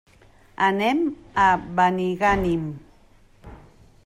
Anem a Benigànim.